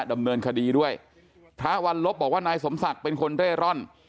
ดำเนินคดีด้วยพระวันลบบอกว่านายสมศักดิ์เป็นคนเร่ร่อน